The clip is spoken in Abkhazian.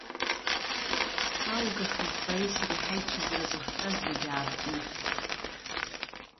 Салгахит бареи сареи ҳаицәыӡра зыхҟьаз зегьы аартны.